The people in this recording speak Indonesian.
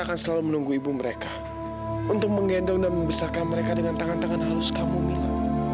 karena bantuan allah ada dimana mana mila